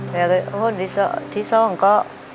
แต่ที่ซ่องก็